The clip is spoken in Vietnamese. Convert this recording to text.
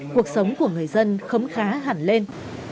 cuộc sống của người dân khấm khá hẳn lên